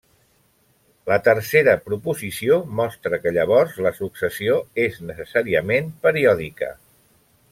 La tercera proposició mostra que llavors la successió és necessàriament periòdica.